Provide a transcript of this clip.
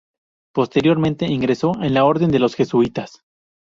Posteriormente ingresó en la orden de los jesuitas.